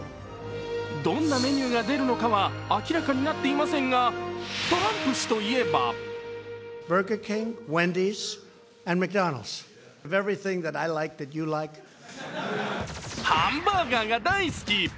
どんなメニューが出るのかは明らかになっていませんがトランプ氏といえばハンバーガーが大好き。